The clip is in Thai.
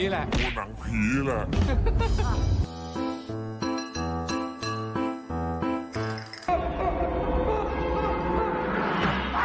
กลัวหนังผีนี่แหละ